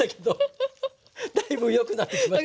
ハハハ！だいぶ良くなってきました。